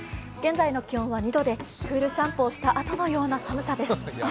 現在の気温は２度でクールシャンプーをしたあとのような寒さです。